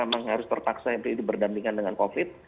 memang harus tertaksa berdampingan dengan covid